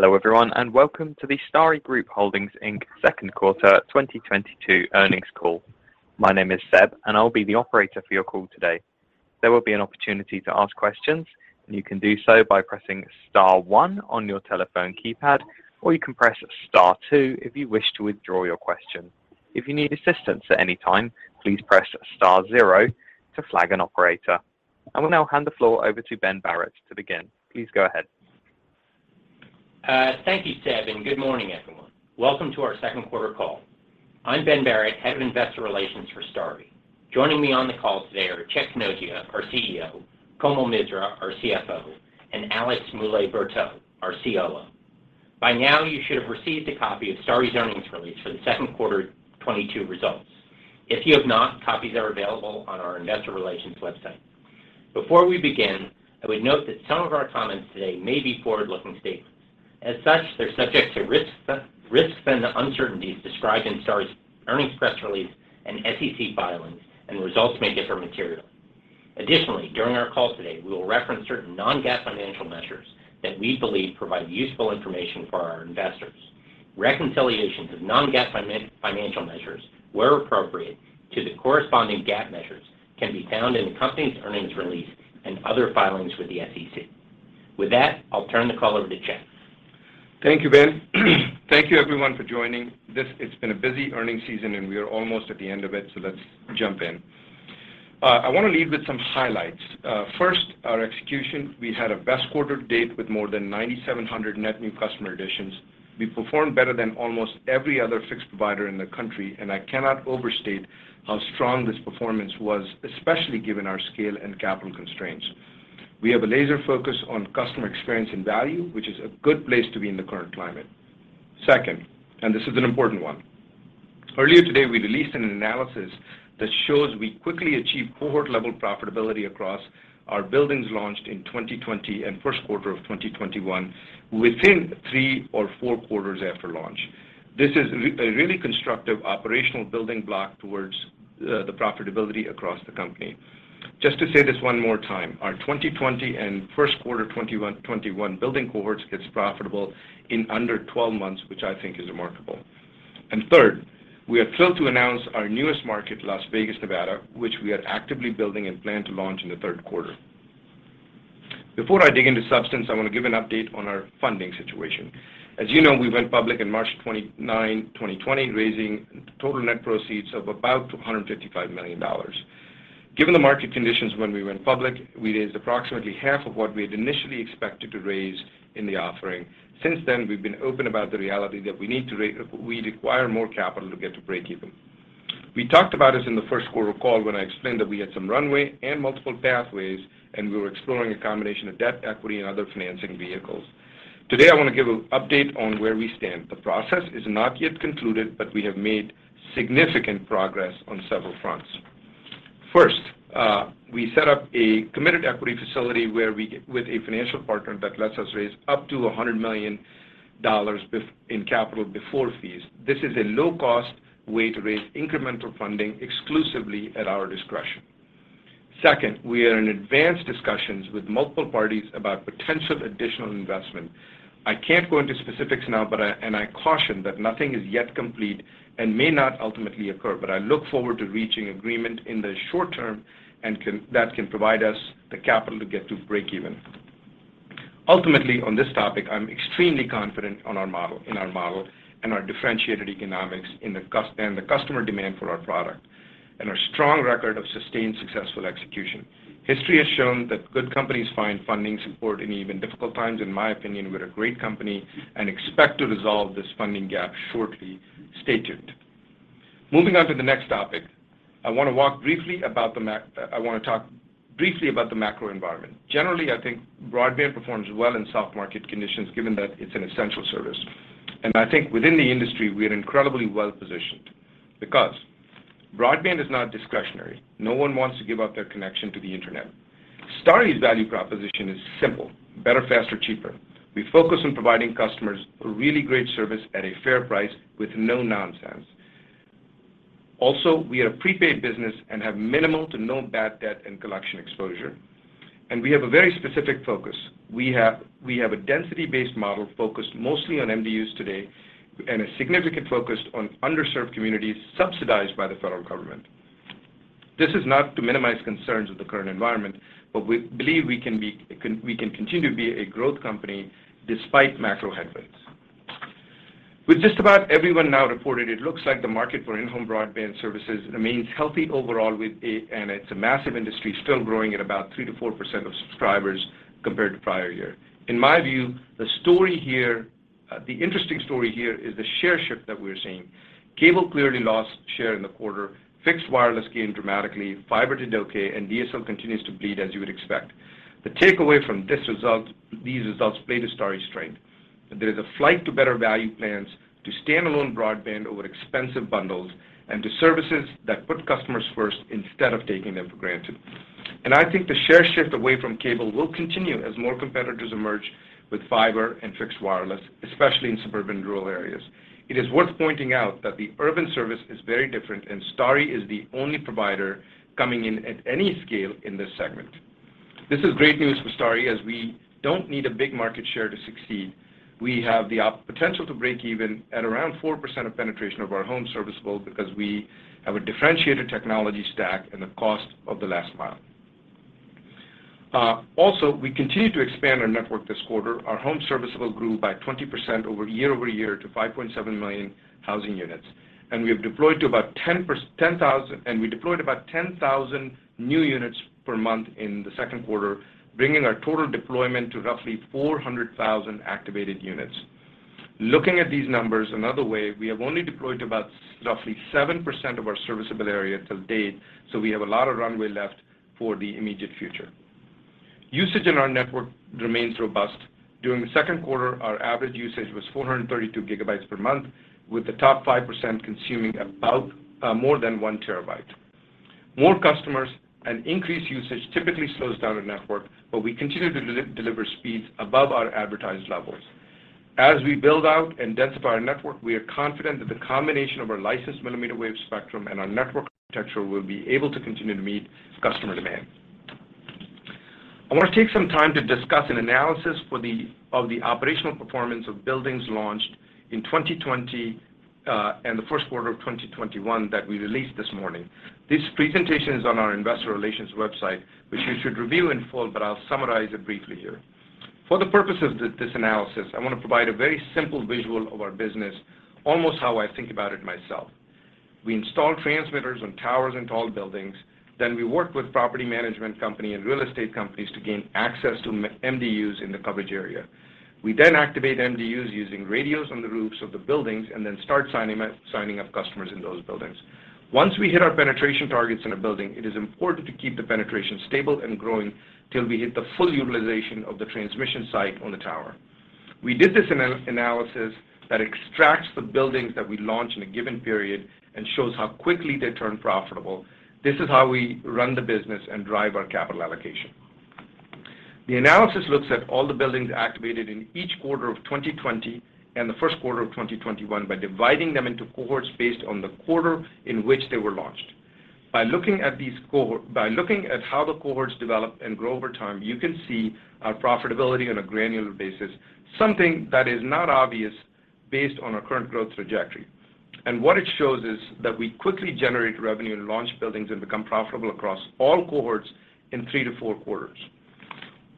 Hello, everyone, and welcome to the Starry Group Holdings, Inc. Q2 2022 earnings call. My name is Seb, and I'll be the operator for your call today. There will be an opportunity to ask questions, and you can do so by pressing star one on your telephone keypad, or you can press star two if you wish to withdraw your question. If you need assistance at any time, please press star zero to flag an operator. I will now hand the floor over to Ben Barrett to begin. Please go ahead. Thank you, Seb, and good morning, everyone. Welcome to our second quarter call. I'm Ben Barrett, Head of Investor Relations for Starry. Joining me on the call today are Chet Kanojia, our CEO, Komal Misra, our CFO, and Alex Moulle-Berteaux, our COO. By now, you should have received a copy of Starry's earnings release for the second quarter 2022 results. If you have not, copies are available on our investor relations website. Before we begin, I would note that some of our comments today may be forward-looking statements. As such, they're subject to risks and uncertainties described in Starry's earnings press release and SEC filings, and results may differ materially. Additionally, during our call today, we will reference certain non-GAAP financial measures that we believe provide useful information for our investors. Reconciliations of non-GAAP financial measures, where appropriate, to the corresponding GAAP measures can be found in the company's earnings release and other filings with the SEC. With that, I'll turn the call over to Chet. Thank you, Ben. Thank you, everyone, for joining. It's been a busy earnings season, and we are almost at the end of it, so let's jump in. I want to lead with some highlights. First, our execution. We had a best quarter to date with more than 9,700 net new customer additions. We performed better than almost every other fixed provider in the country, and I cannot overstate how strong this performance was, especially given our scale and capital constraints. We have a laser focus on customer experience and value, which is a good place to be in the current climate. Second, and this is an important one. Earlier today, we released an analysis that shows we quickly achieved cohort-level profitability across our buildings launched in 2020 and first quarter of 2021 within three or four quarters after launch. This is a really constructive operational building block towards the profitability across the company. Just to say this one more time, our 2020 and first quarter 2021 building cohorts gets profitable in under 12 months, which I think is remarkable. Third, we are thrilled to announce our newest market, Las Vegas, Nevada, which we are actively building and plan to launch in the third quarter. Before I dig into substance, I want to give an update on our funding situation. As you know, we went public in March 29, 2020, raising total net proceeds of about $255 million. Given the market conditions when we went public, we raised approximately half of what we had initially expected to raise in the offering. Since then, we've been open about the reality that we require more capital to get to breakeven. We talked about this in the first quarter call when I explained that we had some runway and multiple pathways, and we were exploring a combination of debt, equity, and other financing vehicles. Today, I want to give an update on where we stand. The process is not yet concluded, but we have made significant progress on several fronts. First, we set up a committed equity facility with a financial partner that lets us raise up to $100 million in capital before fees. This is a low-cost way to raise incremental funding exclusively at our discretion. Second, we are in advanced discussions with multiple parties about potential additional investment. I can't go into specifics now, but and I caution that nothing is yet complete and may not ultimately occur. I look forward to reaching agreement in the short term and that can provide us the capital to get to breakeven. Ultimately, on this topic, I'm extremely confident in our model and our differentiated economics and the customer demand for our product and our strong record of sustained successful execution. History has shown that good companies find funding support in even difficult times. In my opinion, we're a great company and expect to resolve this funding gap shortly stated. Moving on to the next topic, I want to talk briefly about the macro environment. Generally, I think broadband performs well in soft market conditions given that it's an essential service. I think within the industry, we are incredibly well-positioned because broadband is not discretionary. No one wants to give up their connection to the internet. Starry's value proposition is simple, better, faster, cheaper. We focus on providing customers a really great service at a fair price with no nonsense. Also, we are a prepaid business and have minimal to no bad debt and collection exposure, and we have a very specific focus. We have a density-based model focused mostly on MDUs today and a significant focus on underserved communities subsidized by the federal government. This is not to minimize concerns with the current environment, but we believe we can continue to be a growth company despite macro headwinds. With just about everyone now reported, it looks like the market for in-home broadband services remains healthy overall, and it's a massive industry still growing at about 3%-4% of subscribers compared to prior year. In my view, the story here, the interesting story here is the share shift that we're seeing. Cable clearly lost share in the quarter. Fixed wireless gained dramatically. Fiber did okay, and DSL continues to bleed as you would expect. The takeaway from these results play to Starry's strength. There is a flight to better value plans, to standalone broadband over expensive bundles, and to services that put customers first instead of taking them for granted. I think the share shift away from cable will continue as more competitors emerge with fiber and fixed wireless, especially in suburban rural areas. It is worth pointing out that the urban service is very different, and Starry is the only provider coming in at any scale in this segment. This is great news for Starry as we don't need a big market share to succeed. We have the potential to break even at around 4% of penetration of our home serviceable because we have a differentiated technology stack and the cost of the last mile. Also we continued to expand our network this quarter. Our home serviceable grew by 20% year-over-year to 5.7 million housing units, and we deployed about 10,000 new units per month in the second quarter, bringing our total deployment to roughly 400,000 activated units. Looking at these numbers another way, we have only deployed to about roughly 7% of our serviceable area to date, so we have a lot of runway left for the immediate future. Usage in our network remains robust. During the second quarter, our average usage was 432 GB per month, with the top 5% consuming about more than 1 TB. More customers and increased usage typically slows down a network, but we continue to deliver speeds above our advertised levels. As we build out and densify our network, we are confident that the combination of our licensed millimeter wave spectrum and our network architecture will be able to continue to meet customer demand. I want to take some time to discuss an analysis of the operational performance of buildings launched in 2020 and the first quarter of 2021 that we released this morning. This presentation is on our investor relations website, which you should review in full, but I'll summarize it briefly here. For the purpose of this analysis, I want to provide a very simple visual of our business, almost how I think about it myself. We install transmitters on towers and tall buildings, then we work with property management company and real estate companies to gain access to MDUs in the coverage area. We then activate MDUs using radios on the roofs of the buildings and then start signing up customers in those buildings. Once we hit our penetration targets in a building, it is important to keep the penetration stable and growing till we hit the full utilization of the transmission site on the tower. We did an analysis that extracts the buildings that we launch in a given period and shows how quickly they turn profitable. This is how we run the business and drive our capital allocation. The analysis looks at all the buildings activated in each quarter of 2020 and the first quarter of 2021 by dividing them into cohorts based on the quarter in which they were launched. By looking at how the cohorts develop and grow over time, you can see our profitability on a granular basis, something that is not obvious based on our current growth trajectory. What it shows is that we quickly generate revenue in launched buildings and become profitable across all cohorts in 3-4 quarters.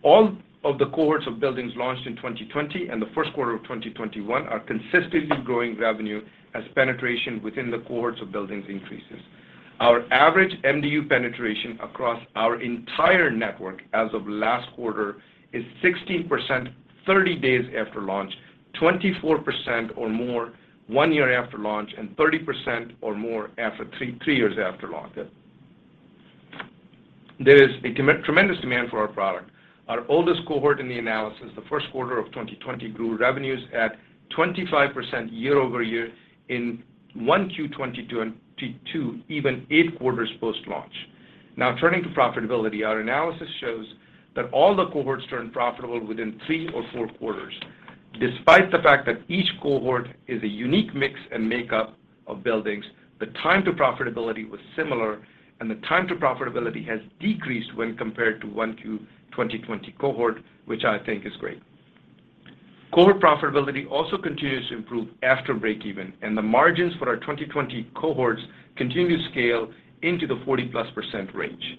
All of the cohorts of buildings launched in 2020 and the first quarter of 2021 are consistently growing revenue as penetration within the cohorts of buildings increases. Our average MDU penetration across our entire network as of last quarter is 16% thirty days after launch, 24% or more one year after launch, and 30% or more three years after launch. There is a tremendous demand for our product. Our oldest cohort in the analysis, the first quarter of 2020, grew revenues at 25% year-over-year in Q1-2020 to even 8 quarters post-launch. Now, turning to profitability, our analysis shows that all the cohorts turned profitable within 3-4 quarters. Despite the fact that each cohort is a unique mix and makeup of buildings, the time to profitability was similar, and the time to profitability has decreased when compared to Q1-2020 cohort, which I think is great. Cohort profitability also continues to improve after breakeven, and the margins for our 2020 cohorts continue to scale into the 40%+ range.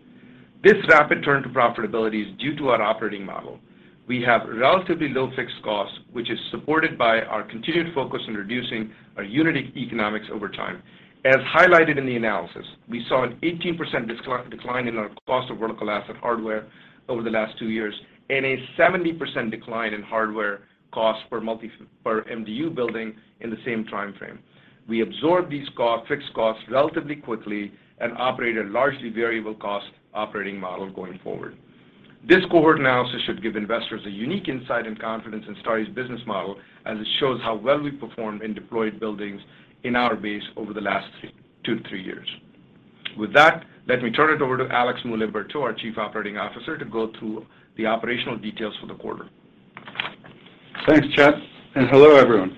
This rapid turn to profitability is due to our operating model. We have relatively low fixed costs, which is supported by our continued focus on reducing our unit economics over time. As highlighted in the analysis, we saw an 18% decline in our cost of vertical asset hardware over the last two years and a 70% decline in hardware costs per MDU building in the same time frame. We absorb these costs, fixed costs relatively quickly and operate a largely variable cost operating model going forward. This cohort analysis should give investors a unique insight and confidence in Starry's business model, as it shows how well we performed in deployed buildings in our base over the last 2-3 years. With that, let me turn it over to Alex Moulle-Berteaux, our Chief Operating Officer, to go through the operational details for the quarter. Thanks, Chet, and hello, everyone.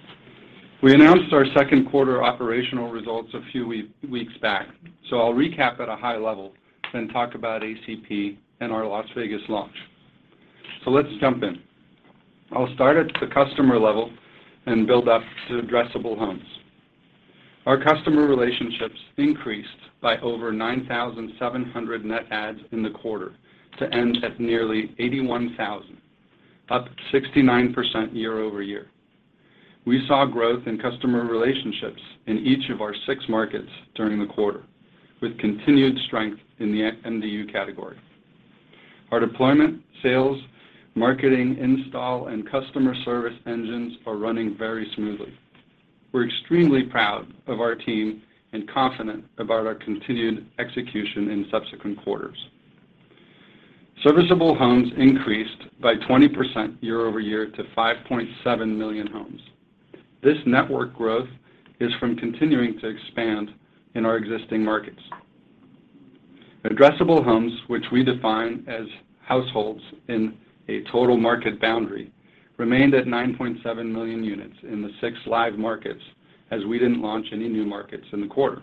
We announced our second quarter operational results a few weeks back, so I'll recap at a high level, then talk about ACP and our Las Vegas launch. Let's jump in. I'll start at the customer level and build up to addressable homes. Our customer relationships increased by over 9,700 net adds in the quarter to end at nearly 81,000, up 69% year-over-year. We saw growth in customer relationships in each of our six markets during the quarter, with continued strength in the MDU category. Our deployment, sales, marketing, install, and customer service engines are running very smoothly. We're extremely proud of our team and confident about our continued execution in subsequent quarters. Serviceable homes increased by 20% year-over-year to 5.7 million homes. This network growth is from continuing to expand in our existing markets. Addressable homes, which we define as households in a total market boundary, remained at 9.7 million units in the six live markets, as we didn't launch any new markets in the quarter.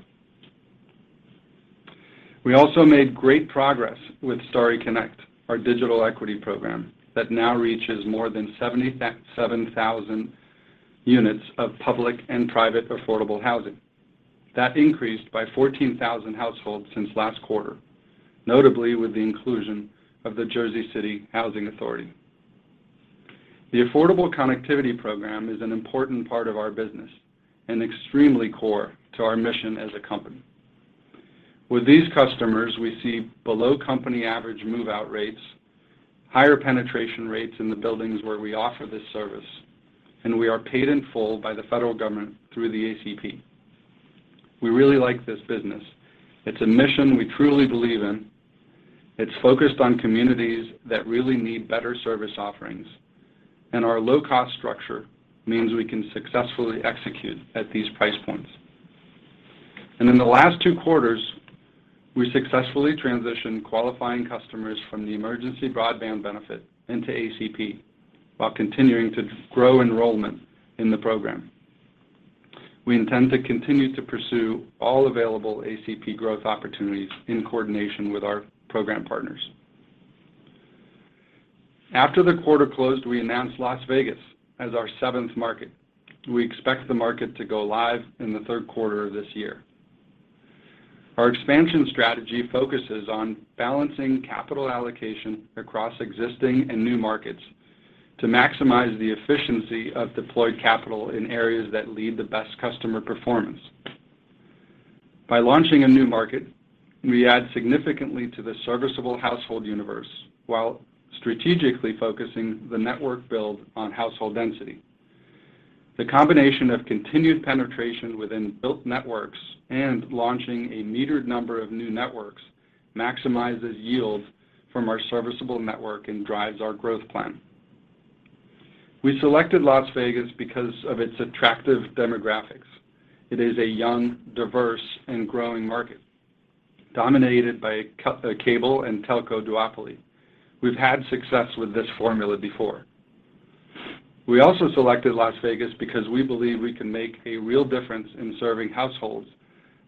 We also made great progress with Starry Connect, our digital equity program that now reaches more than 77,000 units of public and private affordable housing. That increased by 14,000 households since last quarter, notably with the inclusion of the Jersey City Housing Authority. The Affordable Connectivity Program is an important part of our business and extremely core to our mission as a company. With these customers, we see below company average move-out rates, higher penetration rates in the buildings where we offer this service, and we are paid in full by the federal government through the ACP. We really like this business. It's a mission we truly believe in. It's focused on communities that really need better service offerings. Our low-cost structure means we can successfully execute at these price points. In the last two quarters, we successfully transitioned qualifying customers from the Emergency Broadband Benefit into ACP while continuing to grow enrollment in the program. We intend to continue to pursue all available ACP growth opportunities in coordination with our program partners. After the quarter closed, we announced Las Vegas as our seventh market. We expect the market to go live in the third quarter of this year. Our expansion strategy focuses on balancing capital allocation across existing and new markets to maximize the efficiency of deployed capital in areas that lead the best customer performance. By launching a new market, we add significantly to the serviceable household universe while strategically focusing the network build on household density. The combination of continued penetration within built networks and launching a metered number of new networks maximizes yield from our serviceable network and drives our growth plan. We selected Las Vegas because of its attractive demographics. It is a young, diverse, and growing market dominated by cable and telco duopoly. We've had success with this formula before. We also selected Las Vegas because we believe we can make a real difference in serving households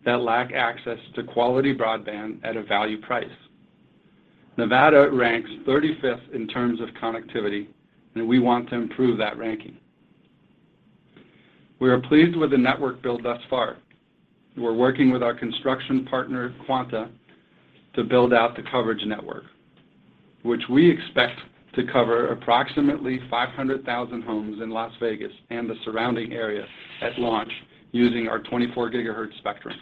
that lack access to quality broadband at a value price. Nevada ranks 35th in terms of connectivity, and we want to improve that ranking. We are pleased with the network build thus far. We're working with our construction partner, Quanta, to build out the coverage network, which we expect to cover approximately 500,000 homes in Las Vegas and the surrounding area at launch using our 24 GHz spectrum.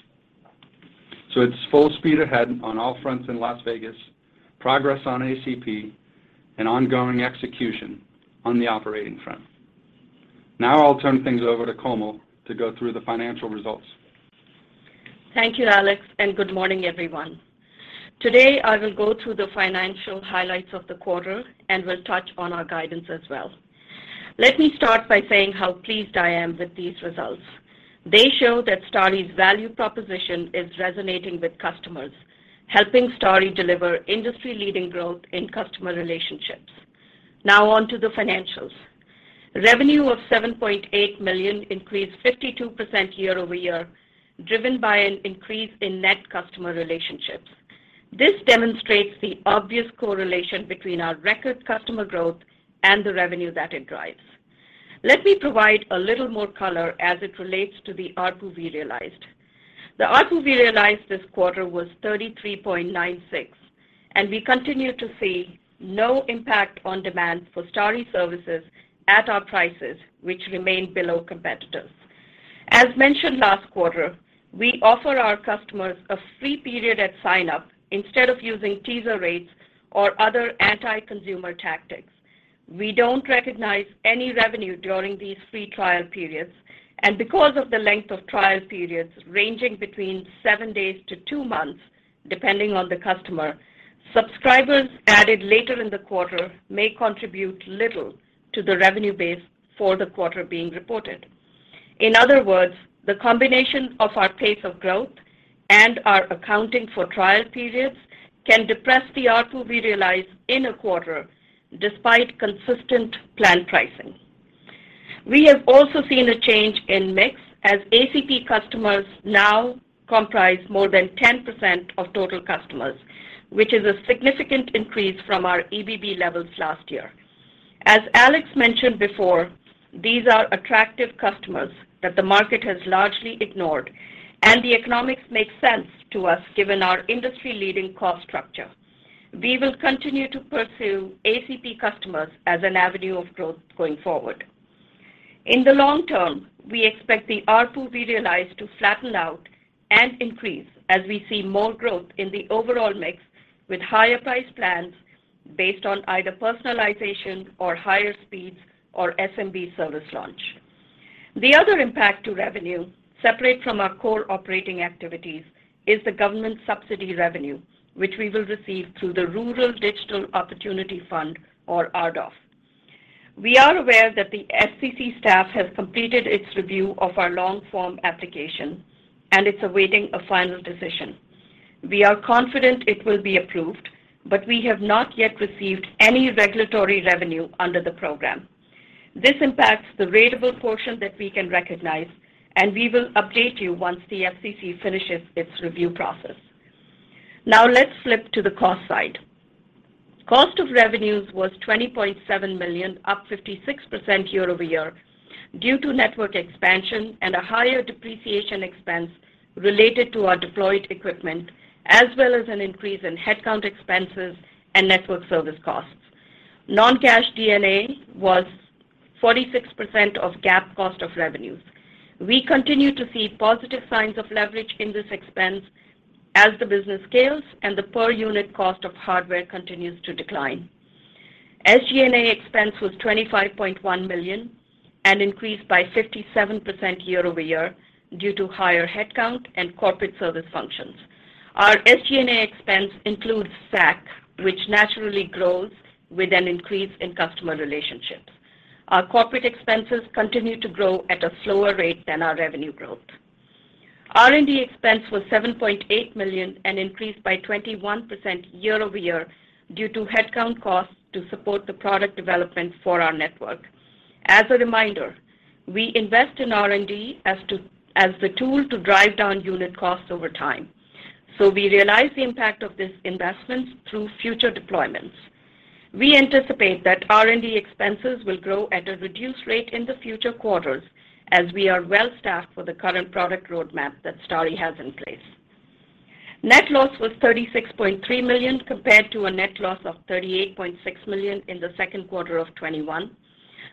it's full speed ahead on all fronts in Las Vegas, progress on ACP, and ongoing execution on the operating front. Now I'll turn things over to Komal to go through the financial results. Thank you, Alex, and good morning, everyone. Today, I will go through the financial highlights of the quarter and will touch on our guidance as well. Let me start by saying how pleased I am with these results. They show that Starry's value proposition is resonating with customers, helping Starry deliver industry-leading growth in customer relationships. Now on to the financials. Revenue of $7.8 million increased 52% year-over-year, driven by an increase in net customer relationships. This demonstrates the obvious correlation between our record customer growth and the revenue that it drives. Let me provide a little more color as it relates to the ARPU we realized. The ARPU we realized this quarter was $33.96, and we continue to see no impact on demand for Starry services at our prices, which remain below competitors. As mentioned last quarter, we offer our customers a free period at sign-up instead of using teaser rates or other anti-consumer tactics. We don't recognize any revenue during these free trial periods, and because of the length of trial periods ranging between seven days to two months, depending on the customer, subscribers added later in the quarter may contribute little to the revenue base for the quarter being reported. In other words, the combination of our pace of growth and our accounting for trial periods can depress the ARPU we realize in a quarter despite consistent plan pricing. We have also seen a change in mix as ACP customers now comprise more than 10% of total customers, which is a significant increase from our EBB levels last year. As Alex mentioned before, these are attractive customers that the market has largely ignored, and the economics make sense to us given our industry-leading cost structure. We will continue to pursue ACP customers as an avenue of growth going forward. In the long term, we expect the ARPU we realize to flatten out and increase as we see more growth in the overall mix with higher-priced plans based on either personalization or higher speeds or SMB service launch. The other impact to revenue, separate from our core operating activities, is the government subsidy revenue, which we will receive through the Rural Digital Opportunity Fund or RDOF. We are aware that the FCC staff has completed its review of our long-form application, and it's awaiting a final decision. We are confident it will be approved, but we have not yet received any regulatory revenue under the program. This impacts the ratable portion that we can recognize, and we will update you once the FCC finishes its review process. Now let's flip to the cost side. Cost of revenues was $20.7 million, up 56% year-over-year due to network expansion and a higher depreciation expense related to our deployed equipment, as well as an increase in headcount expenses and network service costs. Non-cash D&A was 46% of GAAP cost of revenues. We continue to see positive signs of leverage in this expense as the business scales and the per-unit cost of hardware continues to decline. SG&A expense was $25.1 million and increased by 57% year-over-year due to higher headcount and corporate service functions. Our SG&A expense includes SAC, which naturally grows with an increase in customer relationships. Our corporate expenses continue to grow at a slower rate than our revenue growth. R&D expense was $7.8 million and increased by 21% year-over-year due to headcount costs to support the product development for our network. As a reminder, we invest in R&D as the tool to drive down unit costs over time, so we realize the impact of these investments through future deployments. We anticipate that R&D expenses will grow at a reduced rate in the future quarters as we are well-staffed for the current product roadmap that Starry has in place. Net loss was $36.3 million compared to a net loss of $38.6 million in the second quarter of 2021.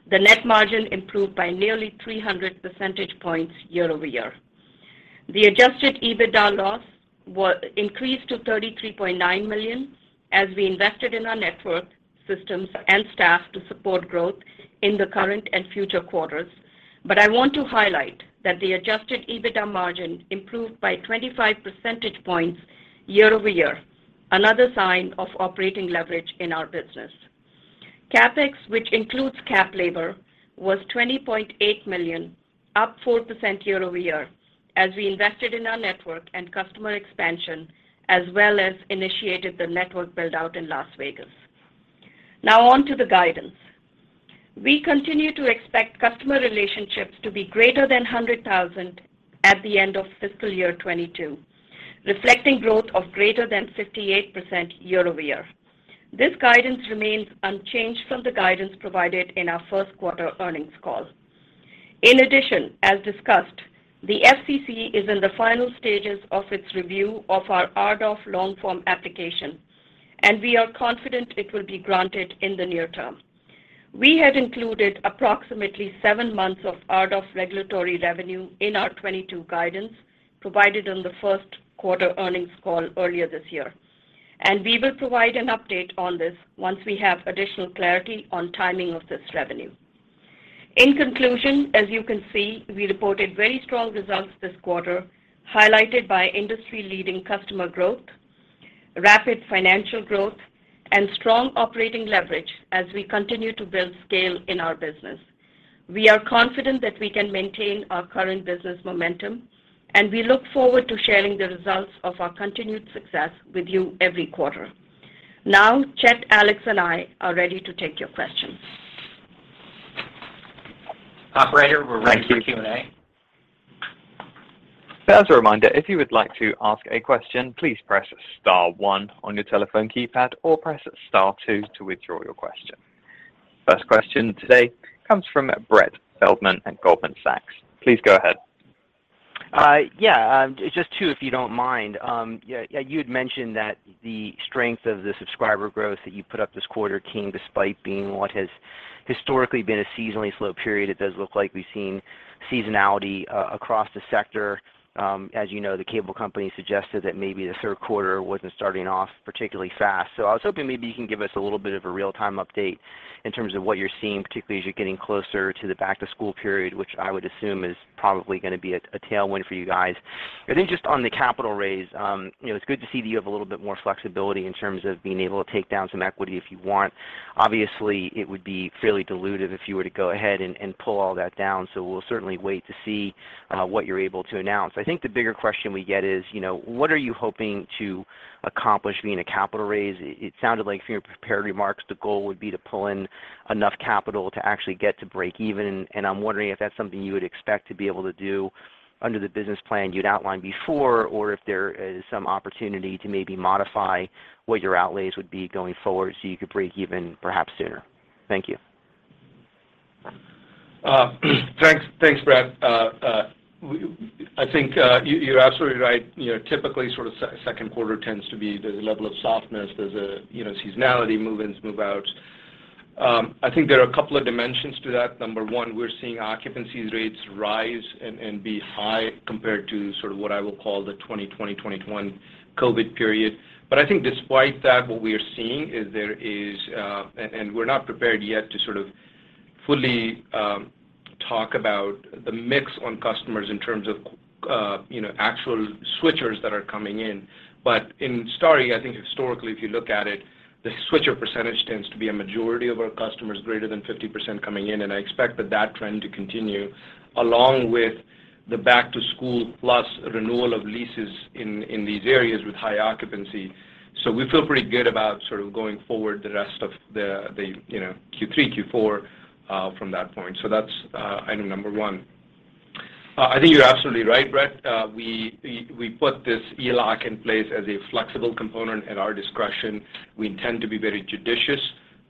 The net margin improved by nearly 300 percentage points year-over-year. The adjusted EBITDA loss increased to $33.9 million as we invested in our network systems and staff to support growth in the current and future quarters. I want to highlight that the adjusted EBITDA margin improved by 25 percentage points year-over-year, another sign of operating leverage in our business. CapEx, which includes capital labor, was $20.8 million, up 4% year-over-year as we invested in our network and customer expansion as well as initiated the network build-out in Las Vegas. Now on to the guidance. We continue to expect customer relationships to be greater than 100,000 at the end of fiscal year 2022, reflecting growth of greater than 58% year-over-year. This guidance remains unchanged from the guidance provided in our first quarter earnings call. In addition, as discussed, the FCC is in the final stages of its review of our RDOF long-form application, and we are confident it will be granted in the near term. We have included approximately seven months of RDOF regulatory revenue in our 2022 guidance provided on the first quarter earnings call earlier this year, and we will provide an update on this once we have additional clarity on timing of this revenue. In conclusion, as you can see, we reported very strong results this quarter, highlighted by industry-leading customer growth, rapid financial growth, and strong operating leverage as we continue to build scale in our business. We are confident that we can maintain our current business momentum, and we look forward to sharing the results of our continued success with you every quarter. Now, Chet, Alex, and I are ready to take your questions. Operator, we're ready for Q&A. Thank you. As a reminder, if you would like to ask a question, please press star one on your telephone keypad or press star two to withdraw your question. First question today comes from Brett Feldman at Goldman Sachs. Please go ahead. Yeah, just two, if you don't mind. Yeah, you had mentioned that the strength of the subscriber growth that you put up this quarter came despite being what has historically been a seasonally slow period. It does look like we've seen seasonality across the sector. As you know, the cable company suggested that maybe the third quarter wasn't starting off particularly fast. I was hoping maybe you can give us a little bit of a real-time update in terms of what you're seeing, particularly as you're getting closer to the back-to-school period, which I would assume is probably gonna be a tailwind for you guys. I think just on the capital raise, you know, it's good to see that you have a little bit more flexibility in terms of being able to take down some equity if you want. Obviously, it would be fairly dilutive if you were to go ahead and pull all that down, so we'll certainly wait to see what you're able to announce. I think the bigger question we get is, you know, what are you hoping to accomplish with a capital raise? It sounded like from your prepared remarks, the goal would be to pull in enough capital to actually get to break even, and I'm wondering if that's something you would expect to be able to do under the business plan you'd outlined before, or if there is some opportunity to maybe modify what your outlays would be going forward so you could break even perhaps sooner. Thank you. Thanks. Thanks, Brett. I think you're absolutely right. You know, typically sort of second quarter tends to be there's a level of softness. There's a, you know, seasonality, move-ins, move-outs. I think there are a couple of dimensions to that. Number one, we're seeing occupancy rates rise and be high compared to sort of what I will call the 2020, 2021 COVID period. I think despite that, what we are seeing is there is. We're not prepared yet to sort of fully talk about the mix on customers in terms of, you know, actual switchers that are coming in. In Starry, I think historically, if you look at it, the switcher percentage tends to be a majority of our customers, greater than 50% coming in, and I expect that trend to continue, along with the back to school plus renewal of leases in these areas with high occupancy. We feel pretty good about sort of going forward the rest of Q3, Q4 from that point. That's item number one. I think you're absolutely right, Brett. We put this ELOC in place as a flexible component at our discretion. We intend to be very judicious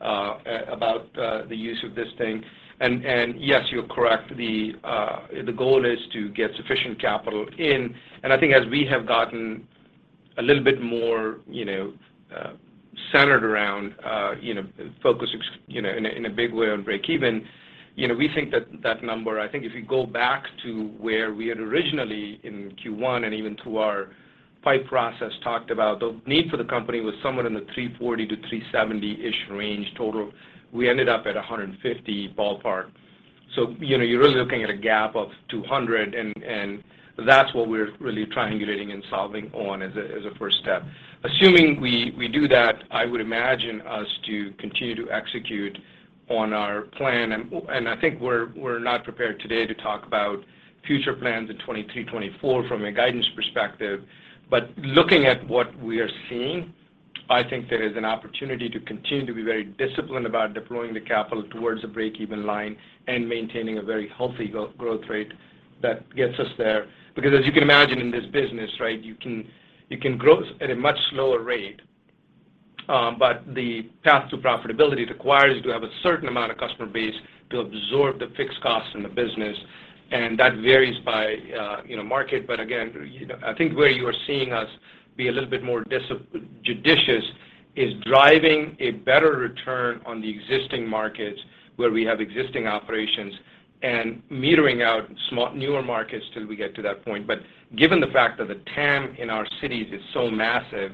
about the use of this thing. Yes, you're correct. The goal is to get sufficient capital in, and I think as we have gotten a little bit more, you know, centered around, you know, focusing, you know, in a, in a big way on breakeven, you know, we think that that number, I think if you go back to where we had originally in Q1 and even to our pipe process talked about, the need for the company was somewhere in the $340-$370-ish range total. We ended up at $150 ballpark. You know, you're really looking at a gap of $200 and that's what we're really triangulating and solving on as a, as a first step. Assuming we do that, I would imagine us to continue to execute on our plan. I think we're not prepared today to talk about future plans in 2023, 2024 from a guidance perspective. Looking at what we are seeing, I think there is an opportunity to continue to be very disciplined about deploying the capital towards a breakeven line and maintaining a very healthy growth rate that gets us there. As you can imagine in this business, right, you can grow at a much slower rate, but the path to profitability requires you to have a certain amount of customer base to absorb the fixed costs in the business, and that varies by, you know, market. Again, you know, I think where you are seeing us be a little bit more judicious is driving a better return on the existing markets where we have existing operations and metering out newer markets till we get to that point. Given the fact that the TAM in our cities is so massive,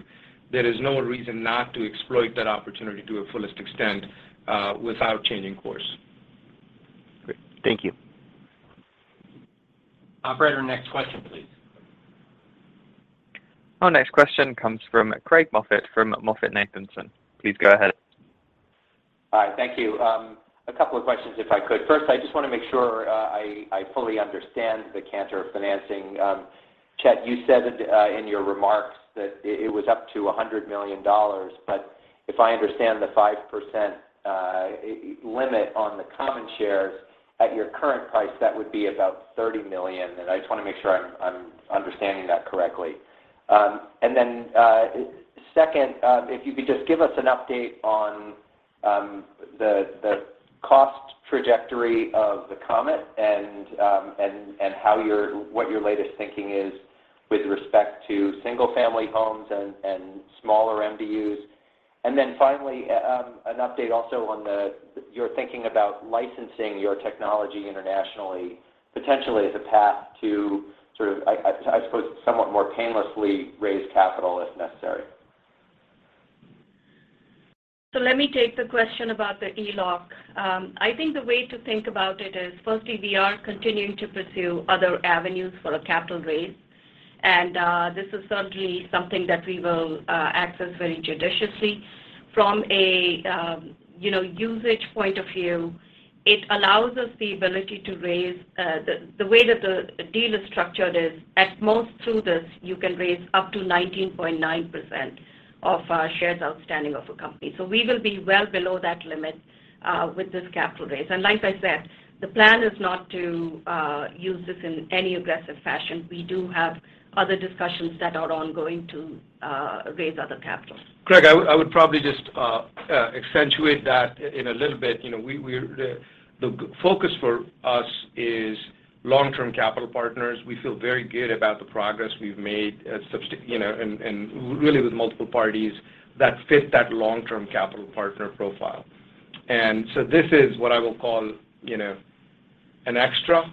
there is no reason not to exploit that opportunity to a fullest extent, without changing course. Great. Thank you. Operator, next question, please. Our next question comes from Craig Moffett from MoffettNathanson. Please go ahead. Hi. Thank you. A couple of questions if I could. First, I just wanna make sure I fully understand the Cantor financing. Chet, you said in your remarks that it was up to $100 million, but if I understand the 5% limit on the common shares at your current price, that would be about $30 million, and I just wanna make sure I'm understanding that correctly. Then, second, if you could just give us an update on the cost trajectory of the Comet and what your latest thinking is with respect to single-family homes and smaller MDUs. Finally, an update also on the. You're thinking about licensing your technology internationally, potentially as a path to sort of, I suppose, somewhat more painlessly raise capital if necessary. Let me take the question about the ELOC. I think the way to think about it is, firstly, we are continuing to pursue other avenues for a capital raise, and this is certainly something that we will access very judiciously. From a, you know, usage point of view, it allows us the ability to raise. The way that the deal is structured is at most through this, you can raise up to 19.9% of shares outstanding of a company. We will be well below that limit with this capital raise. Like I said, the plan is not to use this in any aggressive fashion. We do have other discussions that are ongoing to raise other capital. Craig, I would probably just accentuate that in a little bit. You know, the focus for us is long-term capital partners. We feel very good about the progress we've made, you know, and really with multiple parties that fit that long-term capital partner profile. This is what I will call, you know, an extra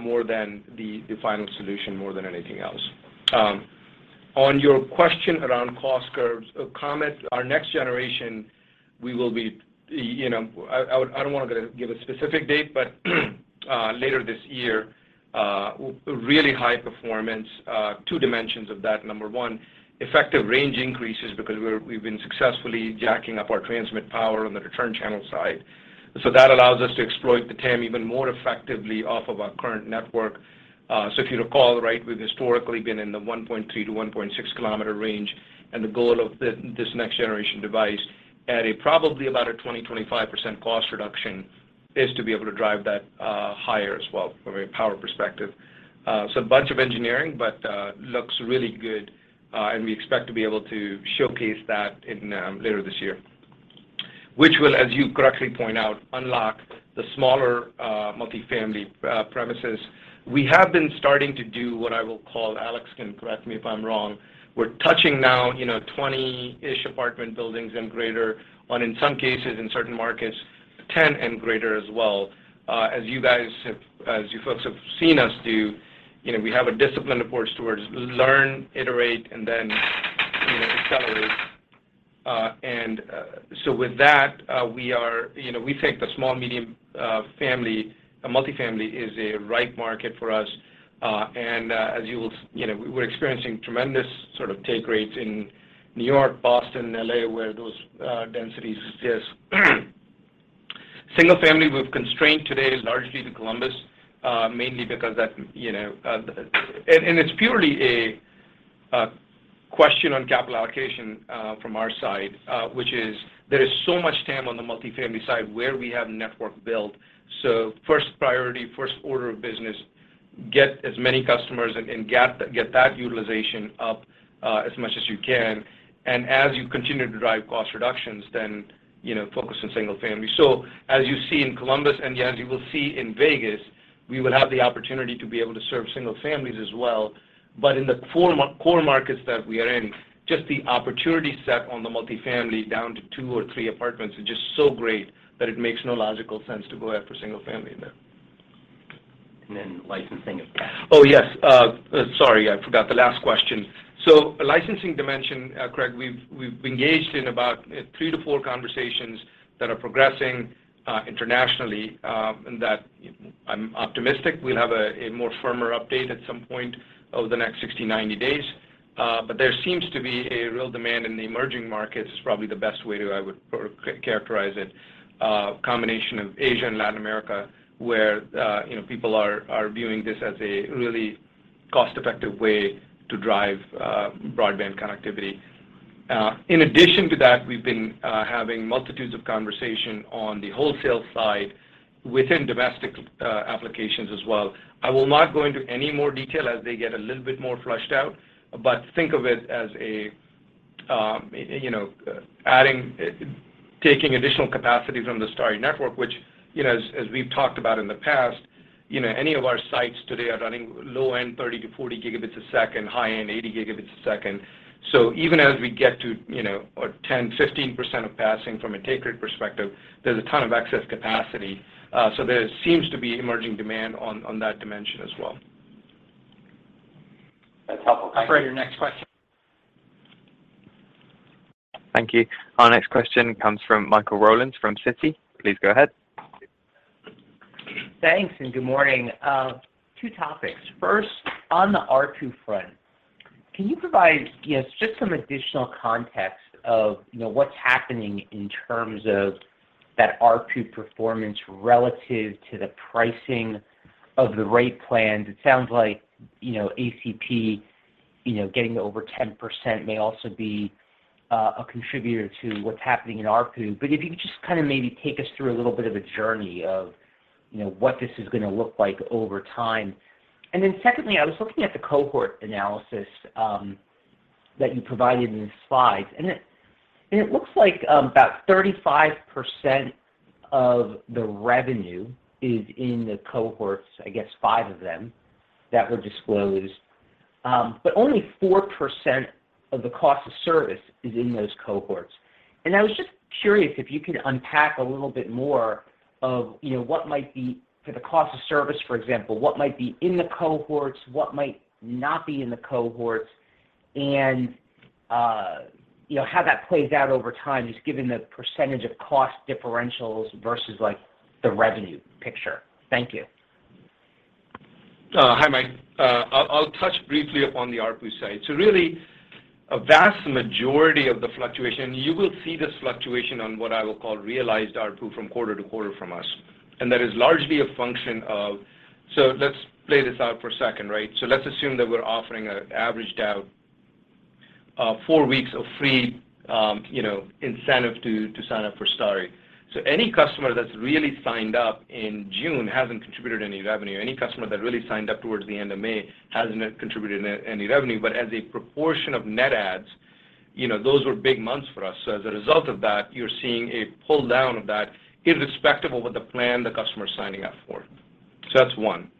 more than the final solution more than anything else. On your question around cost curves, Comet, our next generation, we will be, you know. I don't wanna go to give a specific date, but later this year, really high performance, two dimensions of that. Number one, effective range increases because we've been successfully jacking up our transmit power on the return channel side. That allows us to exploit the TAM even more effectively off of our current network. If you recall, right, we've historically been in the 1.3-1.6 km range, and the goal of this next generation device at a probably about a 20%-25% cost reduction is to be able to drive that higher as well from a power perspective. A bunch of engineering, but looks really good, and we expect to be able to showcase that in later this year, which will, as you correctly point out, unlock the smaller multifamily premises. We have been starting to do what I will call, Alex can correct me if I'm wrong, we're touching now, you know, 20-ish apartment buildings and greater, on in some cases in certain markets, 10 and greater as well. As you folks have seen us do, you know, we have a disciplined approach towards learn, iterate, and then, you know, accelerate. With that, we are, you know, we think the small, medium, family, multifamily is a ripe market for us. As you will, you know, we're experiencing tremendous sort of take rates in New York, Boston, LA, where those densities. Just single family, we've constrained today largely to Columbus, mainly because that's, you know, and it's purely a question on capital allocation, from our side, which is there is so much TAM on the multifamily side where we have network built. First priority, first order of business, get as many customers and get that utilization up, as much as you can. As you continue to drive cost reductions, then, you know, focus on single family. As you see in Columbus, and as you will see in Vegas, we will have the opportunity to be able to serve single families as well. In the core markets that we are in, just the opportunity set on the multifamily down to two or three apartments is just so great that it makes no logical sense to go after single family in there. And then licensing of- Oh, yes. Sorry, I forgot the last question. Licensing dimension, Craig, we've engaged in about 3-4 conversations that are progressing internationally, and that I'm optimistic we'll have a more firmer update at some point over the next 60-90 days. But there seems to be a real demand in the emerging markets, is probably the best way, I would characterize it, a combination of Asia and Latin America, where you know, people are viewing this as a really cost-effective way to drive broadband connectivity. In addition to that, we've been having multitudes of conversation on the wholesale side within domestic applications as well. I will not go into any more detail as they get a little bit more fleshed out. Think of it as a, you know, taking additional capacity from the Starry network, which, you know, as we've talked about in the past, you know, any of our sites today are running low-end 30-40 Gbps, high-end 80 Gbps. Even as we get to, you know, or 10%, 15% of passing from a take rate perspective, there's a ton of excess capacity. There seems to be emerging demand on that dimension as well. That's helpful. Thank you. Operator, next question. Thank you. Our next question comes from Michael Rollins from Citi. Please go ahead. Thanks, good morning. Two topics. First, on the ARPU front, can you provide, you know, just some additional context of, you know, what's happening in terms of that ARPU performance relative to the pricing of the rate plans? It sounds like, you know, ACP, you know, getting over 10% may also be a contributor to what's happening in ARPU. If you could just kind of maybe take us through a little bit of a journey of, you know, what this is gonna look like over time. Then secondly, I was looking at the cohort analysis that you provided in the slides, and it looks like about 35% of the revenue is in the cohorts, I guess five of them that were disclosed. Only 4% of the cost of service is in those cohorts. I was just curious if you could unpack a little bit more of, you know, what might be for the cost of service, for example, what might be in the cohorts, what might not be in the cohorts, and, you know, how that plays out over time, just given the percentage of cost differentials versus, like, the revenue picture. Thank you. Hi, Mike. I'll touch briefly upon the ARPU side. Really, a vast majority of the fluctuation, you will see this fluctuation on what I will call realized ARPU from quarter to quarter from us. That is largely a function of. Let's play this out for a second, right? Let's assume that we're offering an averaged out, four weeks of free, you know, incentive to sign up for Starry. Any customer that's really signed up in June hasn't contributed any revenue. Any customer that really signed up towards the end of May hasn't contributed any revenue. As a proportion of net adds, you know, those were big months for us. As a result of that, you're seeing a pull-down of that irrespective of what the plan the customer is signing up for. That's one.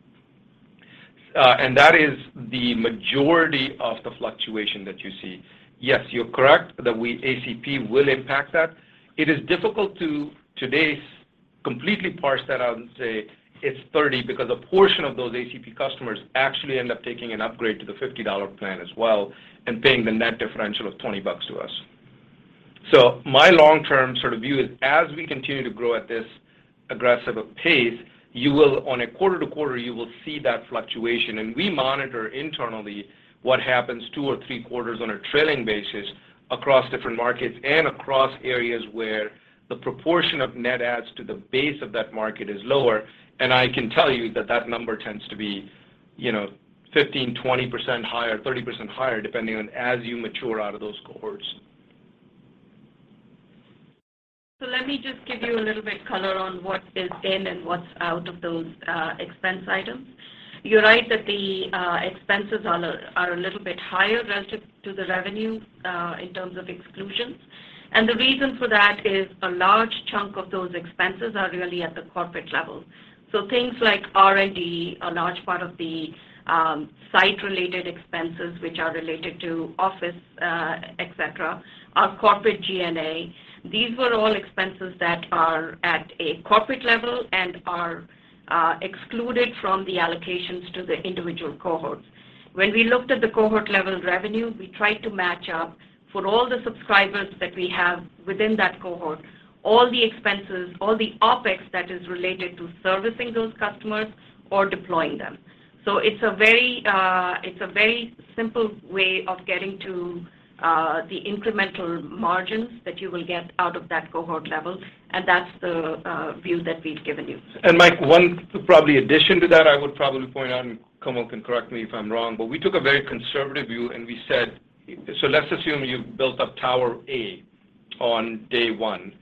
That is the majority of the fluctuation that you see. Yes, you're correct that ACP will impact that. It is difficult to completely parse that out and say it's $30 because a portion of those ACP customers actually end up taking an upgrade to the $50 plan as well and paying the net differential of $20 to us. My long-term sort of view is as we continue to grow at this aggressive pace, you will, on a quarter-over-quarter, you will see that fluctuation. We monitor internally what happens two or three quarters on a trailing basis across different markets and across areas where the proportion of net adds to the base of that market is lower. I can tell you that that number tends to be, you know, 15%-20% higher, 30% higher, depending on, as you mature out of those cohorts. Let me just give you a little bit color on what is in and what's out of those expense items. You're right that the expenses are a little bit higher relative to the revenue in terms of exclusions. The reason for that is a large chunk of those expenses are really at the corporate level. Things like R&D, a large part of the site-related expenses, which are related to office et cetera, are corporate G&A. These were all expenses that are at a corporate level and are excluded from the allocations to the individual cohorts. When we looked at the cohort level revenue, we tried to match up for all the subscribers that we have within that cohort, all the expenses, all the OpEx that is related to servicing those customers or deploying them. It's a very simple way of getting to the incremental margins that you will get out of that cohort level, and that's the view that we've given you. Mike, one probably addition to that I would probably point out, and Komal can correct me if I'm wrong, but we took a very conservative view, and we said, so let's assume you've built up tower A on day one,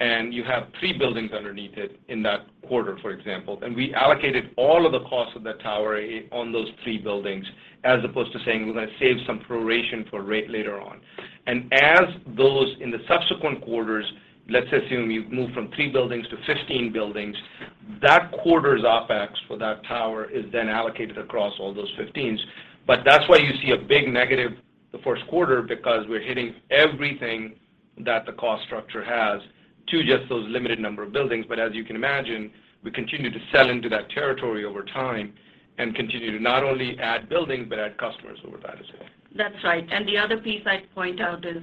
and you have three buildings underneath it in that quarter, for example. We allocated all of the costs of that tower A on those three buildings, as opposed to saying we're gonna save some proration for rate later on. In those subsequent quarters, let's assume you've moved from three buildings to 15 buildings, that quarter's OpEx for that tower is then allocated across all those 15s. That's why you see a big negative the first quarter because we're hitting everything that the cost structure has to just those limited number of buildings. As you can imagine, we continue to sell into that territory over time and continue to not only add buildings but add customers over that as well. That's right. The other piece I'd point out is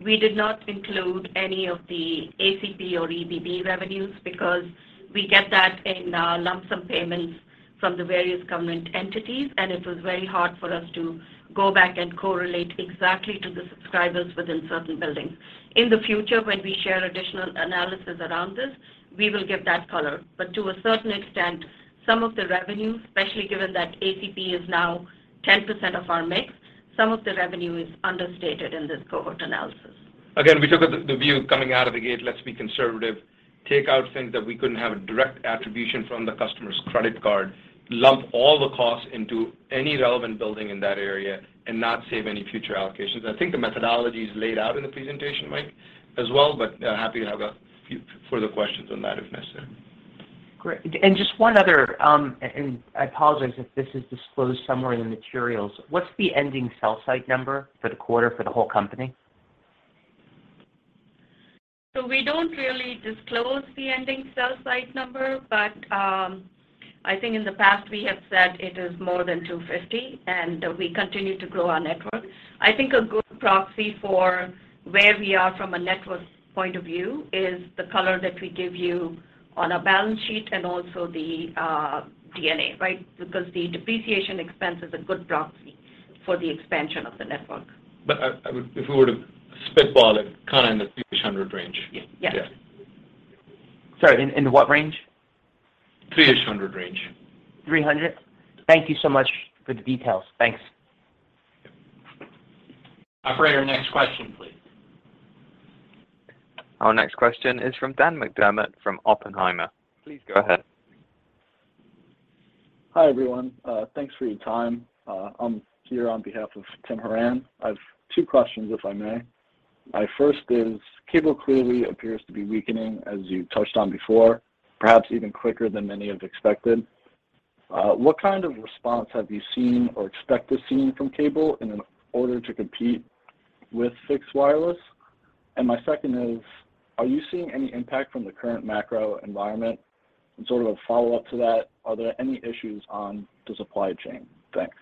we did not include any of the ACP or EBB revenues because we get that in lump sum payments from the various government entities, and it was very hard for us to go back and correlate exactly to the subscribers within certain buildings. In the future, when we share additional analysis around this, we will give that color. To a certain extent, some of the revenue, especially given that ACP is now 10% of our mix, some of the revenue is understated in this cohort analysis. Again, we took the view coming out of the gate, let's be conservative, take out things that we couldn't have a direct attribution from the customer's credit card, lump all the costs into any relevant building in that area and not save any future allocations. I think the methodology is laid out in the presentation, Mike, as well, but happy to have a few further questions on that if necessary. Great. Just one other, and I apologize if this is disclosed somewhere in the materials. What's the ending cell site number for the quarter for the whole company? We don't really disclose the ending cell site number, but I think in the past we have said it is more than 250, and we continue to grow our network. I think a good proxy for where we are from a network point of view is the color that we give you on our balance sheet and also the D&A, right? Because the depreciation expense is a good proxy for the expansion of the network. I would, if we were to spitball it, kinda in the 300-ish range. Yes. Yeah. Sorry, in what range? 300-ish range. 300. Thank you so much for the details. Thanks. Yep. Operator, next question, please. Our next question is from Dan McDermott from Oppenheimer. Please go ahead. Hi, everyone. Thanks for your time. I'm here on behalf of Tim Horan. I've two questions, if I may. My first is cable clearly appears to be weakening, as you touched on before, perhaps even quicker than many have expected. What kind of response have you seen or expect to see from cable in order to compete with fixed wireless? My second is, are you seeing any impact from the current macro environment? Sort of a follow-up to that, are there any issues on the supply chain? Thanks.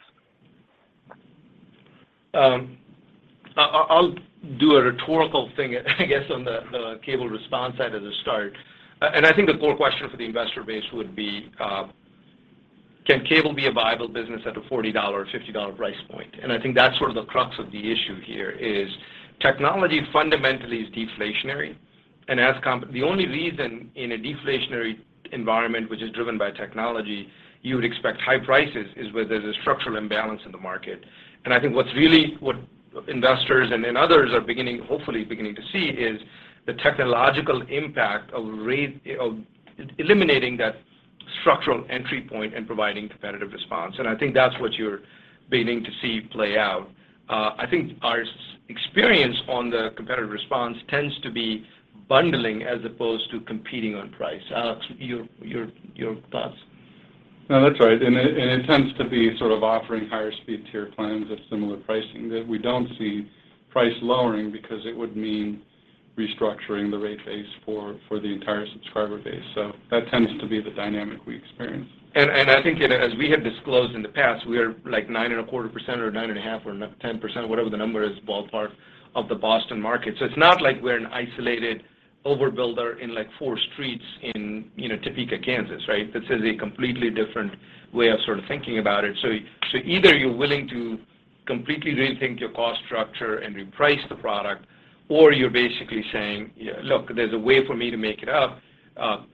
I'll do a rhetorical thing, I guess, on the cable response end of Starry. I think the core question for the investor base would be, can cable be a viable business at a $40 or $50 price point? I think that's sort of the crux of the issue here is technology fundamentally is deflationary. The only reason in a deflationary environment which is driven by technology you would expect high prices is where there's a structural imbalance in the market. I think what's really investors and others are hopefully beginning to see is the technological impact of eliminating that structural entry point and providing competitive response. I think that's what you're beginning to see play out. I think our experience on the competitive response tends to be bundling as opposed to competing on price. Alex, your thoughts. No, that's right. It tends to be sort of offering higher speed tier plans at similar pricing that we don't see price lowering because it would mean restructuring the rate base for the entire subscriber base. That tends to be the dynamic we experience. I think, you know, as we have disclosed in the past, we are, like, 9.25% or 9.5% or 10%, whatever the number is, ballpark of the Boston market. It's not like we're an isolated overbuilder in, like, four streets in, you know, Topeka, Kansas, right? This is a completely different way of sort of thinking about it. Either you're willing to completely rethink your cost structure and reprice the product, or you're basically saying, "Look, there's a way for me to make it up,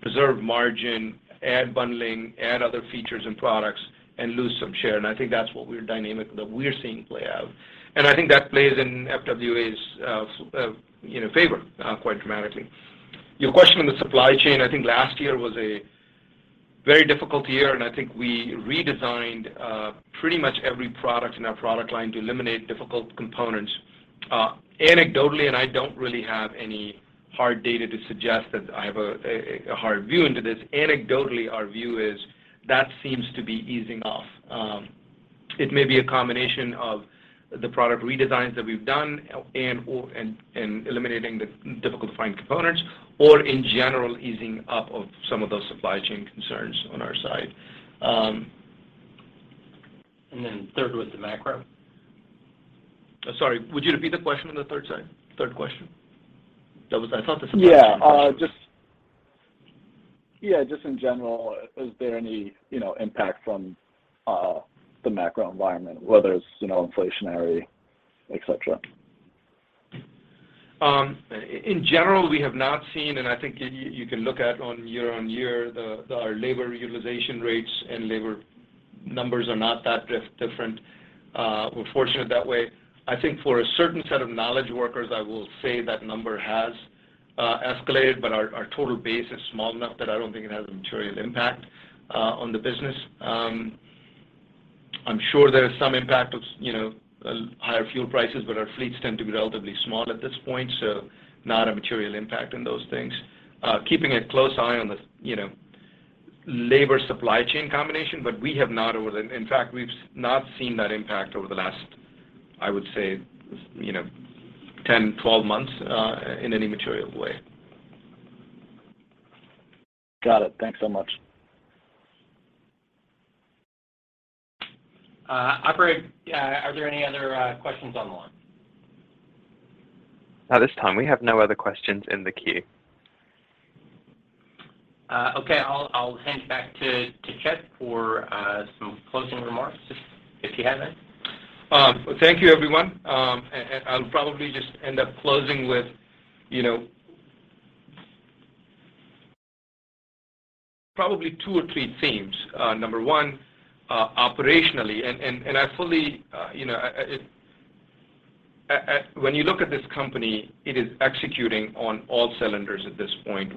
preserve margin, add bundling, add other features and products, and lose some share." I think that's the dynamic that we're seeing play out. I think that plays in FWA's, you know, favor quite dramatically. Your question on the supply chain, I think last year was a very difficult year, and I think we redesigned pretty much every product in our product line to eliminate difficult components. Anecdotally, and I don't really have any hard data to suggest that I have a hard view into this. Anecdotally, our view is that seems to be easing off. It may be a combination of the product redesigns that we've done and/or eliminating the difficult to find components or in general easing up of some of those supply chain concerns on our side. Third was the macro. Sorry, would you repeat the question on the third question? I thought this was. Yeah, just in general, is there any, you know, impact from the macro environment, whether it's, you know, inflationary, et cetera? In general, we have not seen, and I think you can look at year-on-year, our labor utilization rates and labor numbers are not that different. We're fortunate that way. I think for a certain set of knowledge workers, I will say that number has escalated, but our total base is small enough that I don't think it has a material impact on the business. I'm sure there is some impact of, you know, higher fuel prices, but our fleets tend to be relatively small at this point, so not a material impact in those things. Keeping a close eye on the, you know, labor supply chain combination, but we have not. In fact, we've not seen that impact over the last, I would say, you know, 10, 12 months in any material way. Got it. Thanks so much. Operator, are there any other questions on the line? At this time, we have no other questions in the queue. Okay. I'll hand back to Chet for some closing remarks if he has any. Thank you everyone. I'll probably just end up closing with, you know, probably two or three themes. Number one, operationally, and I fully, you know, when you look at this company, it is executing on all cylinders at this point.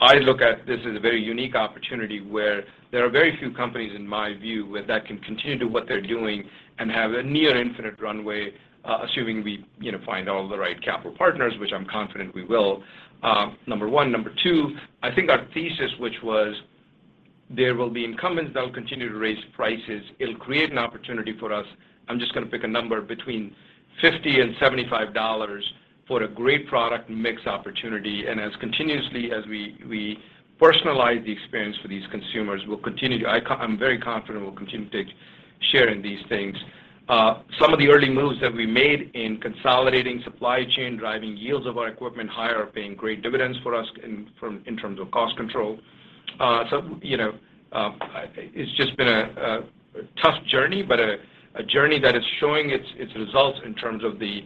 I look at this as a very unique opportunity where there are very few companies, in my view, with that can continue to do what they're doing and have a near infinite runway, assuming we, you know, find all the right capital partners, which I'm confident we will, number one. Number two, I think our thesis, which was there will be incumbents that will continue to raise prices, it'll create an opportunity for us. I'm just gonna pick a number between $50-$75 for a great product mix opportunity. As continuously as we personalize the experience for these consumers, I'm very confident we'll continue to share in these things. Some of the early moves that we made in consolidating supply chain, driving yields of our equipment higher are paying great dividends for us in terms of cost control. You know, it's just been a tough journey, but a journey that is showing its results in terms of the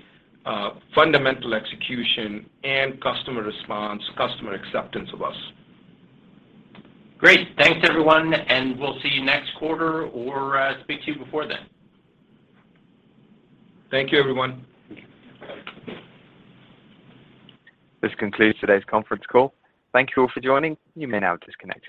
fundamental execution and customer response, customer acceptance of us. Great. Thanks everyone, and we'll see you next quarter or speak to you before then. Thank you, everyone. This concludes today's conference call. Thank you all for joining. You may now disconnect your lines.